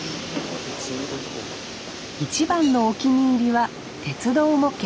一番のお気に入りは鉄道模型